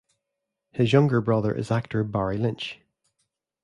His younger brother is actor Barry Lynch.